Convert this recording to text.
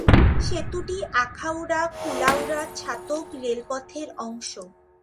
সেতুটি আখাউড়া-কুলাউড়া-ছাতক রেলপথের অংশ।